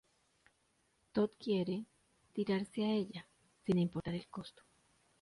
Tod quiere "tirarse a ella, sin importar el costo".